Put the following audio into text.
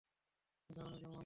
তুমি দারুণ একজন মানুষ।